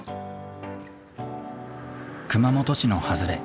熊本市の外れ。